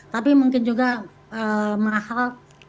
tapi mungkin juga mahal